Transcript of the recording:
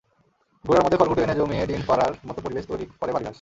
গুঁড়ার মধ্যে খড়কুটো এনে জমিয়ে ডিম পাড়ার মতো পরিবেশ তৈরি করে বালিহাঁস।